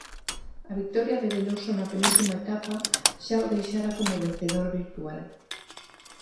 A vitoria de Veloso na penúltima etapa xa o deixara como vencedor virtual.